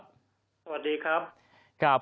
สวัสดีครับ